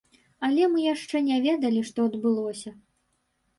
Але мы яшчэ не ведалі, што адбылося.